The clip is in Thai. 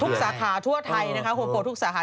สาขาทั่วไทยนะคะโฮมโปรทุกสาขา